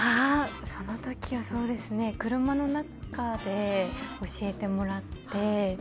その時は車の中で教えてもらって。